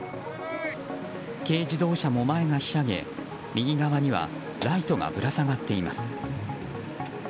軽自動車も前がひしゃげ右側にはライトがぶら下がっています。